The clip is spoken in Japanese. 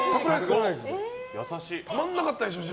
たまんなかったでしょ。